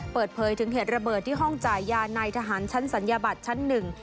เปิดเผยถึงเหตุระเบิดที่ห้องจ่ายยาในทหารชั้นศัลยบัตรชั้นหนึ่ง